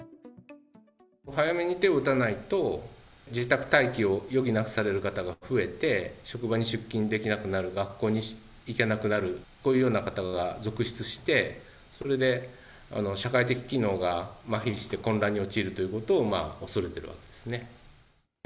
早めに手を打たないと、自宅待機を余儀なくされる方が増えて、職場に出勤できなくなる、学校に行けなくなる、こういうような方が続出して、それで、社会的機能がまひして混乱に陥るということを恐れていますね。